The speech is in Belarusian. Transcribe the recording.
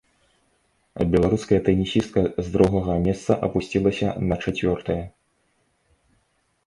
Беларуская тэнісістка з другога месца апусцілася на чацвёртае.